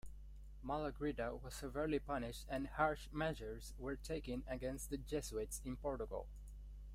Malagrida was severely punished and harsh measures were taken against the Jesuits in Portugal.